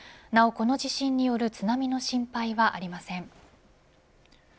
なお、この地震による津波の心配はありません。